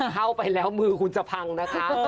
เข้าไปแล้วมือคุณจะพังนะคะ